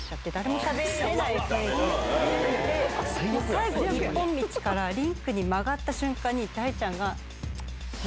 最後一本道からリンクに曲がった瞬間に大ちゃんが。